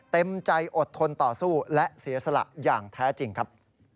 เต็มใจอดทนต่อสู้และเสียสละอย่างแท้จริงครับ